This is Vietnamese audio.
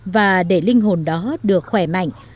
và để linh hồn đó được khỏe mạnh